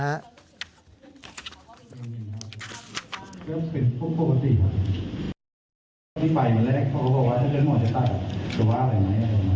ที่ไปวันแรกเขาก็บอกว่าถ้าเจ้าหมอจะตัด